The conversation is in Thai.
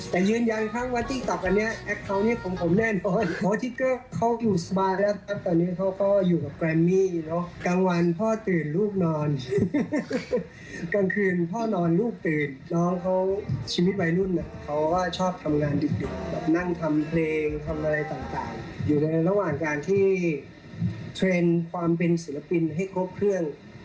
แบบนั่งทำเพลงทำอะไรต่างอยู่ในระหว่างการที่เทรนด์ความเป็นศิลปินให้ครบเครื่อง